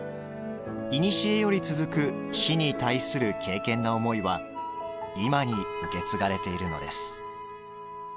いにしえより続く火に対する敬虔な思いは今に受け継がれているのです。